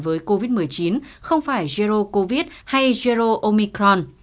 với covid một mươi chín không phải zero covid hay zero omicron